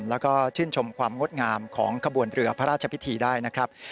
แล้วก็ชื่นชมความงดงามของขบวนเรือพระราชพิธีได้นะครับ